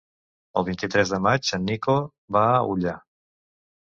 El vint-i-tres de maig en Nico va a Ullà.